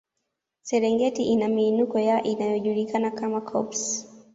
Serengeti ina miinuko ya inayojulikana kama koppes